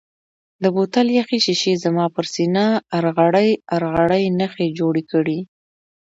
د بوتل یخې شیشې زما پر سینه ارغړۍ ارغړۍ نښې جوړې کړې.